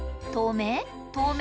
透明？